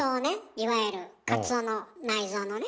いわゆるカツオの内臓のね。